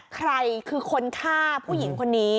ใครคือคนฆ่าผู้หญิงคนนี้